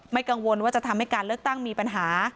กังวลว่าจะทำให้การเลือกตั้งมีปัญหา